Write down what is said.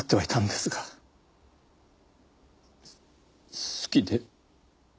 す好きで。